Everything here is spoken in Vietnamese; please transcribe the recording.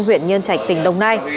huyện nhân trạch tỉnh đồng nai